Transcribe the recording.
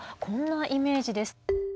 こんなイメージです。